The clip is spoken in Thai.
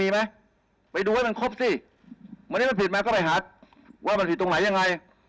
มีไหมไปดูให้มันครบสิวันนี้มันผิดมาก็ไปหาว่ามันผิดตรงไหนยังไง